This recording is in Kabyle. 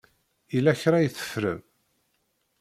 Yella kra i teffrem.